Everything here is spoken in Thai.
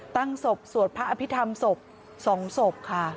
ตั้งศพสวดพระอภิษฐรรมศพ๒ศพค่ะ